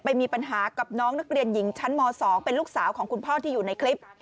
มีปัญหากับน้องนักเรียนหญิงชั้นม๒เป็นลูกสาวของคุณพ่อที่อยู่ในคลิป